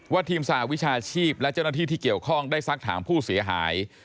ทีมสหวิชาชีพและเจ้าหน้าที่ที่เกี่ยวข้องได้สักถามผู้เสียหาย